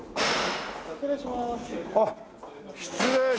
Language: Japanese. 失礼します。